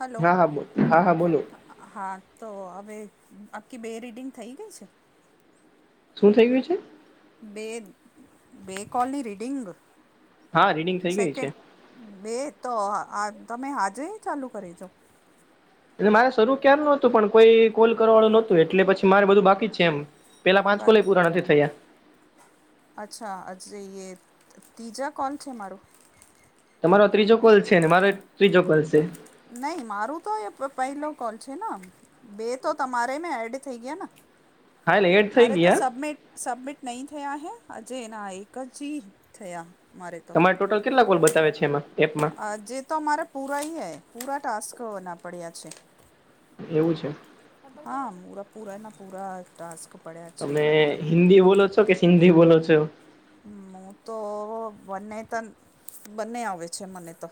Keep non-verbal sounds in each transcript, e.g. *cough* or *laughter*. Hello હા હાો હા હો બોલો, હા તો હવે આખી બે રીડિંગ થઈ ગઈ છે. શું થઈ ગયું છે? બે બે કોલની રીડિંગ. હા રીડિંગ થઈ ગય છે. સેકન્ડ બે તો તમે આજે કરીજો એટલે મારે શરૂું ક્યાર નતું પણ કોઈ કોલ કરવા વાળું નોતું એટલે પછી મારે બધું બાકી છે એમ, પેલા પાંચ કોલેય બાકી પૂરા નથી થયા. અચ્છા એ ત્રીજા કોલ છે માર તમારો ત્રીજો કોલ છે ને મારો ત્રીજો કોલ છે. નહી મારું તો એ પહેલો કોલ છે ને બે તો તમારે મે એડ થઈ ગયા ને એટલે એડ થઈ મારે તો ગયા સબમિટ સબમિટ નહીં થયા હ અજે એના એક જ થયા મારે તો તમારે ટોટલ કેટલા કોલ બતાવે છે એમાં એપમાં. જે તો અમારે પૂરાઈ હે, પૂરા ટાસ્કના પડ્યા છે. એવું છે. હા, *unintelligible* પૂરા એના પૂરા. ટાસક પડ્યા. છે તમે હિન્દી બોલો છો કે, સિંધી બોલો છો. હું તો બંને ત બંને આવે છે, મને તો.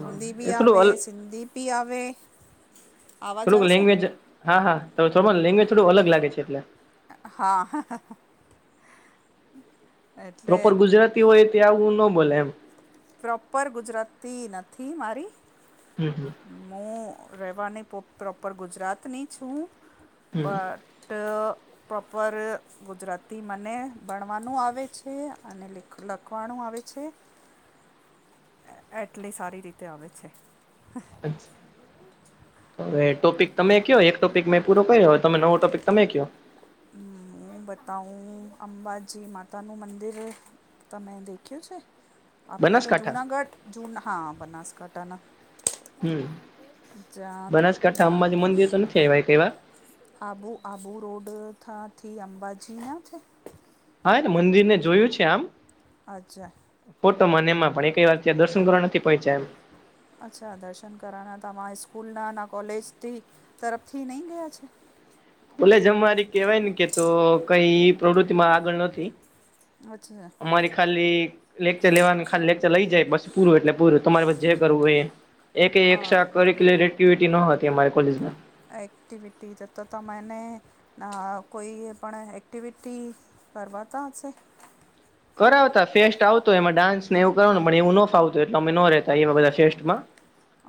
હિન્દી એ ભી થોડું આવે, અલ સિંધી ભી આવે. આવાજ થોડુંક આવે છે લેંગ્વેજ હા, હા *unintelligible* લેંગ્વેજ થોડું અલગ લાગે છે. હા, હા, હા. પ્રોપર ગુજરાતી હોય તે ત્યાં આવું ન બોલે એમ. પ્રોપર ગુજરાતી નથી મારી. હમ્મ. મું રહેવાની પ્રો પ્રોપર ગુજરાતની છું, હમ બત. ટ પ્રોપર. ગુજરાતી મને ભણવાનું આવે છે અને લ લખવાનું આવે છે. એટલી સારી રીતે આવે છે *inaudible* હવે ટોપિક તમે કયો. એક ટોપિક મેં પૂરો કર્યો હવે તમે નવો ટોપિક તમે કેયો હમ, હું બતાવું અંબાજી માતાનું મંદિર તમે દેખ્યું છે? આપણે તો બનાસકાંઠા જુનાગઢ જુન હા બનાસકાંઠાના હમ જાત ના મંદેર તને કેવાય તેવા આબુ આબુ રોડથા થી અંબાજી ના છે. હાને મંદિરને જોયું છે આમ અચ્છા ફોટોમાં અને એમાં પણ ક વાર ત્યાં દર્શન કરવા નથી પહોચ્યા એમ અચ્છા દર્શન કરણ હતામાં સ્કૂલના ના કોલેજથી તરફથી નહીં ગયા છે? બલે જ અમારી કેવાય ને કે તો કઈ પ્રવૃતિમાં આગળ નથી. અચ્છા મારી ખાલી લેક્ચર લેવાનું, ખાલી લેક્ચર લઈ જાય બસ પૂરું એટલે પૂરું તમારે પછ જે કરવું હોય એ એકય એક્સા હા કરિક્યુલર એક્ટિવિટી ન હતી અમારી કોલેજ. *unintelligible* એક્ટિવિટી જતા તમે એને ના કોઈ એ પણ એક્ટિવિટી કરવાતા હશે? કરાવતા, ફેસ્ટ આવતો એમાં ડાન્સને એવું કવાનું મને એવું નો ફાવતું એટલે અમે નો રહેતા બધા ફેસ્ટમાં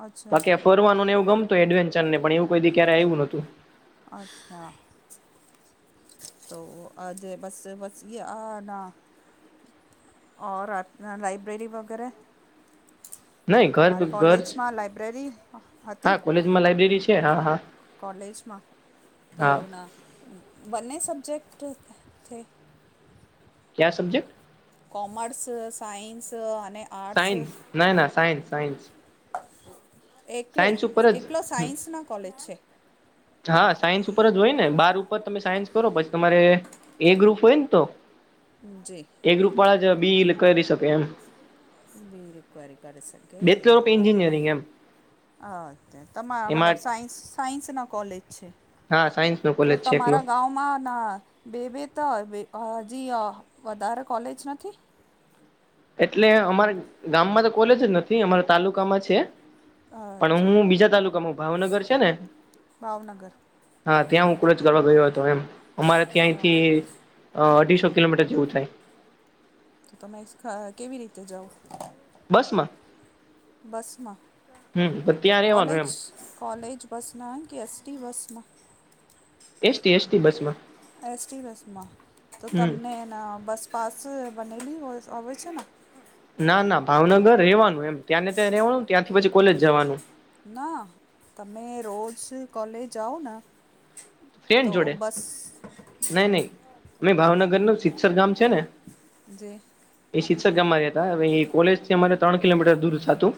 અચ્છા. ફરવાનુંન એવું ગમતું એડવેન્ચરને પણ એવું કોઈ દિ ક્યારે આવ્યું નહતું અચ્છા. તો આજે બસ બસ આ ડા ઓ રાતના લાઈબ્રેરી વગેરે નહી ઘર તમારે ઘર કોલેજમાં લાઇબ્રેરી હતી? માં લાઈબ્રેરી છે. હા હા કોલેજમાં તો હા ઉ ના બન્ને સબ્જેક્ટ થે? ક્યા સબ્જેક્ટ? કોમર્સ, સાયન્સ અને આર્ટ્સ સાયન્સ ના ના સાયન્સ સાયન્સ એકલો સાયન્સ ઉપર એકલો જ સાયન્સના કોલેજ છે. હા, સાયન્સ ઉપર જ હોય ને બાર ઉપર તમે સાયન્સ કરો પછી તમારે એ ગ્રુપ હોયન તો જી એ ગ્રુપવાળા જ *unintelligible* કરી શ *unintelligible* રીક્વાયરી કરી શકે બેચલર ઓફ અ એન્જિનિયરિંગ એમ અ ત તમા મતલબ એમાં સાયન્સ સાયન્સના કોલેજ છે, હા સાયન્સ નો તો કોલેજ છે એકલો તમારા ગા મા ના *unintelligible* હજી અ વધારે કોલેજ નથી? એટલે અમારા ગામમાં તો કોલેજ જ નથી અમારા તાલુકામાં છે. પણ અચ્છા હું બીજા તાલુકામાં, ભાવનગર છે ને? ભાવનગર હા. ત્યાં હું કોલેજ કરવા ગયો હતો એમ. અમારે હા ત્યાંયથી અહ અઢીસો કિલોમીટર જેવું થાય. તો તમે *unintelligible* કેવી રીતે જાવ? બસમાં બસમાં. હમ તો ત્યાં રેવાનું કોલેજ? એમ કોલેજ બસ ના આવેન, કે એટ ટી બસમાં? એસ ટી-એસ ટી બસમાં. એસ ટી બસમાં. તો હમ તમને એના બસ પાસ બનેલી હો હોવે છે ના? ના-ના ભાવનગર રહેવાનું એમ. ત્યાંને ત્યાં રહેવાનું. ત્યાંથી પછી કોલેજ જવાનું. ના. તમે રોજ કોલેજ જાઓ ના ફ્રેન્ડ જોડે. નહીં-નહીં. મેં ભાવનગર નું સિતસર ગામ છે ને જે. એ શીતસર ગામ રહ્યાં તા. હવે એ કોલેજ થી અમારે ત્રણ કિલોમીટર દૂર થાતું.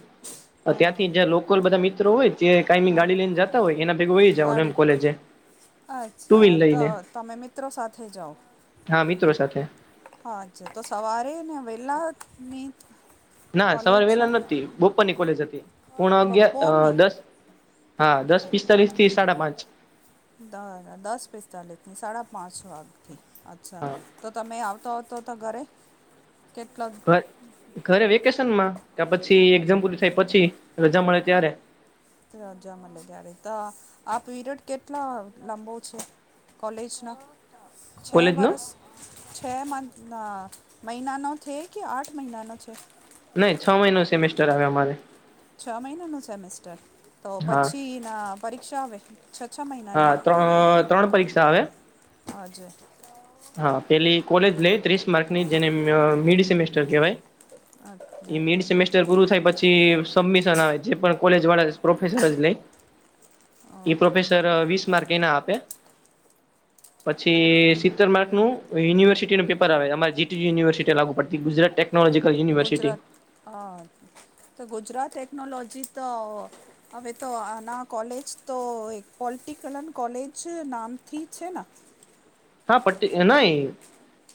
અહ હા ત્યાંથી હવે જે લોકલ બધા મિત્રો હોય, જે કાયમી હા ગાડી લઈને જતા હોય, એના ભેગુ વઈ જવાનુ એમ ગાડી કોલેજે. ટુ અચ્છા. વ્હીલ તો લઈને તમે મિત્રો સાથે જાવ? હા મિત્રો સાથે. અચ્છા. તો સવારે ને વહેલા *unintelligible* ના સવારે વહેલા નતી. બપોરની કોલેજ હતી. પોણા અગિયાર અહ બપોરની દસ હા. દસ પિસ્તાલીસ થી સાડા પાંચ. દ દસ પિસ્તાલીસની, સાડા પાંચ વાગથી. અચ્છા. હા તો તમે આવતા હો તો તો ઘરે. કેટલા *unintelligible* ઘરે વેકેશનમાં. કાં પછી એક્ઝામ પૂરી થાય પછી, રજા મળે ત્યારે. રજા મલે ત્યારે. તો આ-આ પીરિયડ કેટલા લાંબો છે? કોલેજના? છેહ કોલેજ નો વર્ષ? છેહ મંથ મહિનાનો છે, કે આઠ મહિનાનો છે? નહીં છ મહિનો સેમેસ્ટર આવે અમારે. છ મહિનાનું સેમેસ્ટર. તો હા પછીના પરીક્ષા આવે? છ છ મહિનાની હા. ત્રણ-ત્રણ પરીક્ષા આવે. *unintelligible* હા. પેલી કોલેજ લયે ત્રીસ માર્ક ની, જેને અહ મિડ સેમેસ્ટર કહેવાય. અચ્છા ઈ મીડ સેમેસ્ ટર પૂરું થાય પછી સબમિશન આવે. જે પણ કોલેજ વાળા પ્રોફેસર જ લેય. અ, એ પ્રોફેસર વીસ માર્ક એના આપે. પછી સિત તેર માર્કનું યુનિવર્સિટીનું પેપર આવે. અમારા જી ટી યું યુનિવર્સિટી લાગુ પડતી. ગુજરાત ટેક ગુજરાત, હા. તો ગુજરાત ટેક્નોલોજી તો હવે તો આના કોલેજ તો એક પોલિટિકલ કોલેજ નામથી છે ના? હા પટી એ નહીં.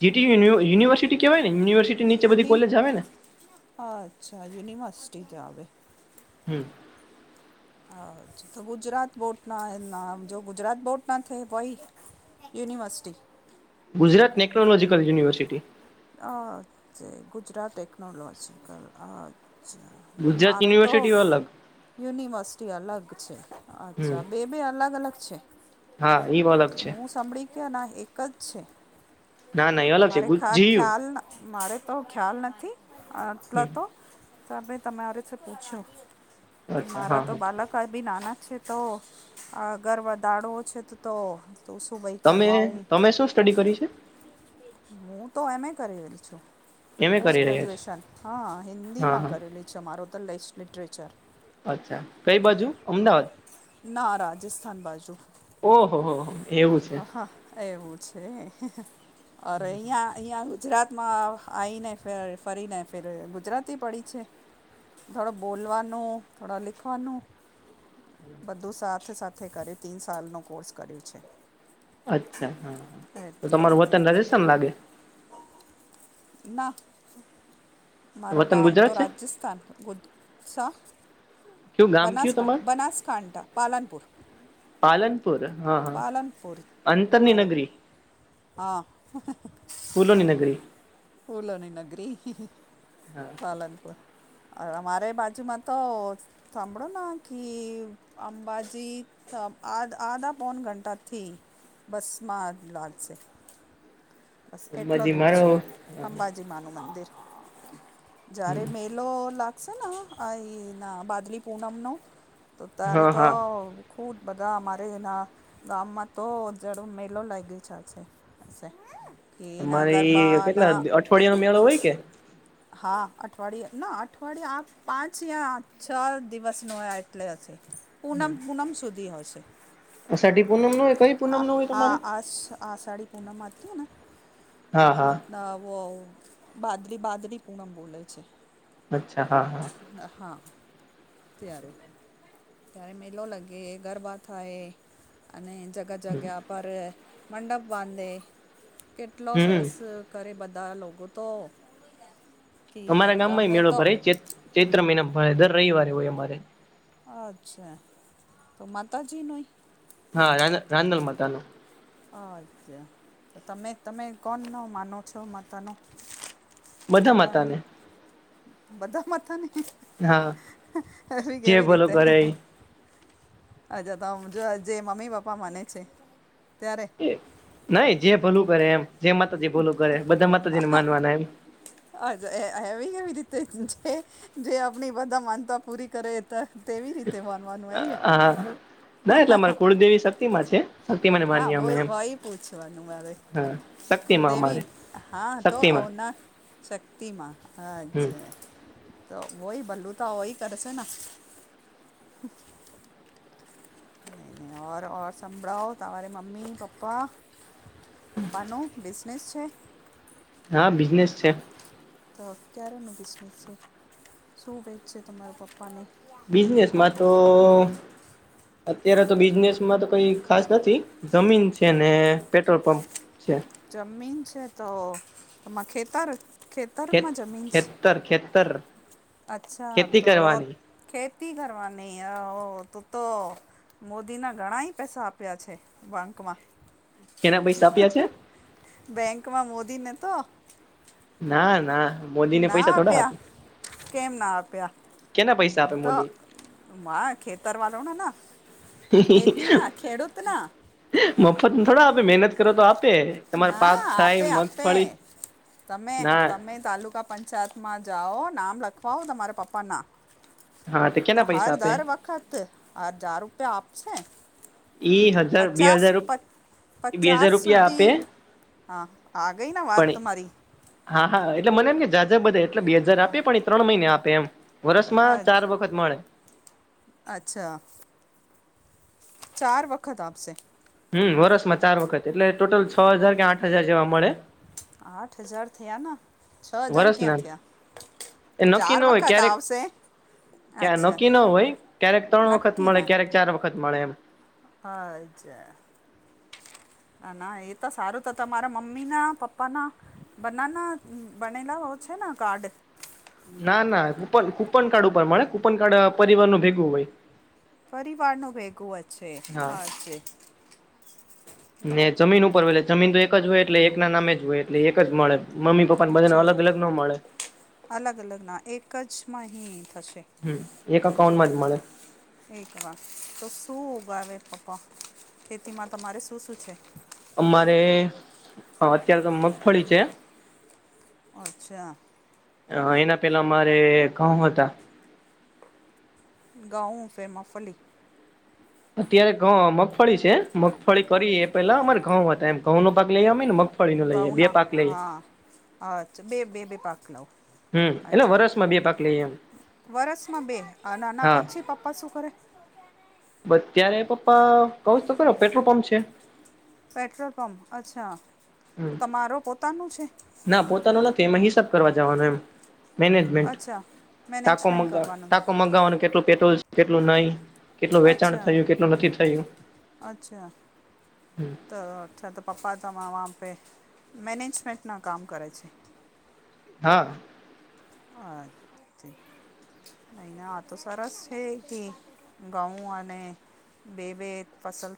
જી ટી યું યુન યુનિવર્સિટી કહેવાય ને, યુનિવર્સ યુનિ. અચ્છા. યુર્નિવર્સિટી જ આવે. હમ્મ. હા જ. તો ગુજરાત બોટ નામ જો ગુજરાત બોટ ના થે પહી university. Gujarat technological university. *unintelligible* Gujarat technological અચ્છા. ગુજરાત મારે તો યુનિવર્સિટી અલગ યુનિવર્સિટી અલગ છે. હમ અચ્છા. બે-બે અલગ-અલગ છે. હા, ઈવ અલગ છે. ક્યાંના? એક જ છે. ના, ના એ અલગ છે મારે *inaudible* ખા જી ખ્યાલ, મારે તો ખ્યાલ નથી આટલો હમ તો. તમે તમારેથી પૂછ્યું, કે અચ્છા હા મારાં તો હા બાલક *unintelligible* નાના જ છે તો, આગળ વધાડો છે તો તો તો શું ભાઈ? *unintelligible* ભાઈ, શું સ્ટડી કરી છે? હું તો એમ. એ. કરી રહી છું. એમ એ પોસ્ટ કરી રહ્યા છો ગ્રેજ્યુએશન. હ, હા હિન્દીમાં હા કરેલું અચ્છા, મારું તો લેસ્ટ લિટરેચર. અચ્છા! કઈ બાજુ? અમદાવાદ! ના, રાજસ્થાન બાજુ. ઓહો, હોહો! એવું સે. હા એવું છે, અરે, અહીંયા અહીંયા ગુજરાતમાં આવ આયીને ફર ફરીને ફેર ગુજરાતી પડી છે. થોડું બોલવાનું, થોડા લીખવાનું. બધું સાથે સાથે કરી તીન સાલનો વર્ષનો કોર્સ કર્યો છે. અચ્છા, હા. તો એટલે તમારું વતન રાજસ્થાન લાગે? ના. મારું વતન ગામ તો ગુજરાત છે રાજસ્થાન. *inaudible* કયું ગામ કયું બનાસકાંઠા, તમારું બનાસકાંઠા, પાલનપુર. પાલનપુર, હા હા, પાલનપુર અંતરની મારો નગરી. હા. ફૂલોની નગરી. ફૂલોની નગરી, પાલનપુર. અ અમારે બાજુમાં તો સાંભળોન કી અંબાજી અ અ‌ળધ અળધા-પોણા કલાકથી બસમાં લાગશે. પસ કેટલો હાજી દૂર છે. મારો અંબાજી માંનું મંદિર. જ્યારે મેં એ મેલો લાગશે ન, આ એના ભાદવી પૂનમનો તો ત્યારે હા તો હા ખૂબ બધા, અમારે એના ગામમાં તો *inaudible* મેલો લાગ્યો. *inaudible* *inaudible* એના ગરબા પડિયાનો મેળો હોય કે? હા, અઠવાડિયે ન અઠવાડિયે આ પાંચ કે છ દિવસનો એટલે પૂનમ, પૂનમ સુધી હશે. આ *unintelligible* પૂનમનો હોય કે કોઈ પૂનમનો હોય હા તમારે? આ આષાઢી પૂનમ આવતી છે ને, હા હા મતલબ અ. *inaudible* *inaudible* પૂનમ બોલે છે. અચ્છા, હા. અ હા ત્યારે. ત્યારે મેલો લાગે, ગરબા થાય અને જગ *unintelligible* જગ્યા પર મંડપ બાંધે, કેટલો હમ સરસ ઘરે બધા લોકો તો કે અમારા ગામમાં ઈ ગમે મેળો તો ભરાય છે, ચૈત્ર મહિના ભરે દર રઈવારે હોય અમારે. અચ્છા, તો માતાજી નો હા, ‌રાંદ રાંદલ માતાનો. અચા, તો તમે તમે કોનનો માનો છો માતાનો. બધા રન, માતા ને બધા માથા ને. હા. એવી જે કેવી ભલો રીતે? કરે અચા, તોમ જો જે મમ્મી-પપ્પા માને છે ત્યારે. એ નઈ. જે ભલું કરે એમ જે માતાજી ભોલું કરે, બધા માતાજીને માનવાના એમ. અચઅ એ એયવી કેવી રીતે જ-જે જે આપણી બધા માનતા પૂરી કરે. ત તેવી રીતે માનવાનું અઈએ. તીમાં છે. શક્તિમાંને આ માનીએ વય અમે એમ વયી પૂછવાનું મારે. હા શક્તિમાં કુલદેવી અમારે હા તો શક્તિમાં અવના શક્તિમાં અ હમ અચ્છા, તો હોય તપલું તો હોય કરશે ના. નઈ નઈ ઓર ઔર સંભળાવો તમારી મમ્મી-પપ્પા પપ્પા નું બિઝનેસ છે. હા, બિઝનેસ છે. તો ક્યારનો બિઝનેસ છે, શું વેચે તમારા પપ્પાને. બિઝનેસમાં તો અત્યારે તો બિઝનેસમાં તો કઈ ખાસ નથી, જમીન છે ને પેટ્રોલ પંપ છે. જમીન છે, તો અ ખેતર ખેતરમાં જમી છ. તર ખેતર. અચ્છા, ખેતી તો કરવાની ખેતી કરવાની અઓ તું તો મોદીના ઘણાઈ પેસા આપ્યા છે, બંકમાં. કેના પેયસા આપ્યા છે? બેંકમાં મોદીને તો ના ના. મોદી ને ના પૈસા થોડા આપ્યા, આપે કેમ ના આપ્યા. કેના પૈસા આપે ઉત મોદી માં ખેતર વાનોવલાણા ના ખેતીના ખેડૂતના *unintelligible* મફત થોડા આપે મેનત ત્રો તો આપે. એમાર ના પાક થાય, આપે આપે મગફળી તમે ના.. તમે તાલુકા પંચાયતમાં જાઓ, નામ લખવાઓ તમારા પપ્પાના. હા તો કેના હર પૈસા આપે દર વખત આ જાર રૂપિયા આપશે. ઈ હજ પચ્ચાસ પ પચ્ચાસ રૂપિયા આપે સુધી હા, આ ગઈ ને વાત પણ તમારી. હા હા એટલે મને એમ કે ઝાઝા બધા એટલે બે હજાર આપી પળી, ત્રણ મઈને આપે એમ. વરસમાં અ- ચાર વખત મળે. અચ્છા, ચાર વખત આપસે. હમ્મ, વરસમાં ચાર વખત એટલે ટોટલ છ હજાર કે આઠ હજાર જેવા મળે. આઠ હજાર થયા ના, છ હજાર ક્યાં વરસના થયા? એ નક્કી ચાર ન હોય વખત ક્યારેક આવસે. ક્યાં નક્કી ન હોય. ક્યારેક તણ વખત મળે, ક્યારેક ચાર વખત મળે એમ. અ અચા. ના ના એ તો સારુ તો ત તમારા મમ્મી ના, પપ્પા ના બનાના બનેને હોવ છે ને કાર્ડ? ના ના ઉપ્પન ઉપ્પન કાર્ડ ઉપર મળે ઉપ્પન કાર્ડ પરિવારનું ભેગુ હોય. પરિવારનો ભેગો હ છે હા છે ને જમીન ઉપર હોય એટલે જમીન તો એક જ હોય એટલે એક ના નામે જ હોય એટલે એક જ મળે મમ્મી પપ્પા અચ્છો અલગ અલગ ના એક જ માંહીં થશે હમ એક જો અકાઉન્ટમાં જ મળે. *unintelligible* તો શું ઉગાવે પપ્પા ખેતીમાં તમારે શું શું છે? અમારે અત્યારે તો મગફળી છે અચ્છા એના પેલા અમારે ઘઉ હતા ગાઉ *unintelligible* અત્યારે ઘઉં અ મગફળી છે મગફળી અ, કરી એ પેલા અમારે ઘઉં હતા એમ ઘઉ નો પાક લઈએ અમે ને મગ ફળીનો લઈએ બે ઘઉંના પાક લઈએ હા અચ્છા બે-બે-બે-પાક લઓ. હમ એટલે અચ્છા વરસમાં બે પાક લઈએ એમ વરષમાં બે અને આના હા પછી પપ્પા શું કરે બત્યારે પપ્પા કવ છું તો ખરું પેટ્રોલ પંપ છે પેટ્રોલ પંપ અચ્છા તો તમારો પોતાનું છે? ના પોતાનું નથી તેમાં હિસાબ કરવા જવાનું એમ મેનેજમેન્ટ, અચ્છા ટાકો મેનેજમેન્ટ મગા કરવાનું છે ટાકો મગાવવાનું કેટલું પેટ્રોલ છે કેટલું નઈ કેટલું વેચાણ અચ્છા થયું કેટલું નથી થયું અચ્છા તો અચ્છા ત પપ્પા તમામ વહાં પે મેનેજમેન્ટનાં કામ કરે છે હા. હ ને આ તો સરસ છે કે ઘંઉ અને બે બે ફસલ